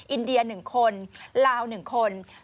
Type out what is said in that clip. อินเดีย๑คนลาว๑คน